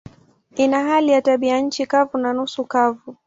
Ina hali ya tabianchi kavu na nusu kavu.